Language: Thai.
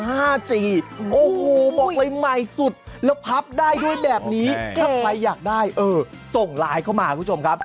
โอ้โหบอกเลยใหม่สุดแล้วพับได้ด้วยแบบนี้ถ้าใครอยากได้เออส่งไลน์เข้ามาคุณผู้ชมครับ